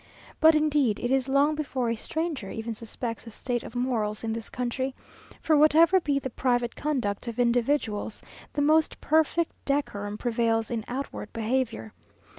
But, indeed, it is long before a stranger even suspects the state of morals in this country, for whatever be the private conduct of individuals, the most perfect decorum prevails in outward behaviour.